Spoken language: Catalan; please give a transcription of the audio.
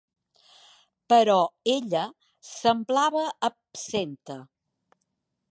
Però ella semblava absenta.